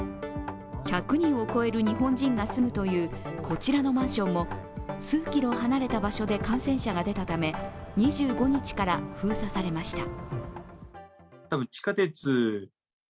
１００人を超える日本人が住むというこちらのマンションも、数キロ離れた場所で感染者が出たため、２５日から封鎖されました。